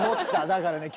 だからね